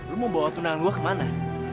lu mau bawa tunangan gue kemana